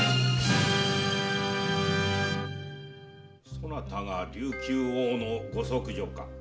そなたが琉球王のご息女か？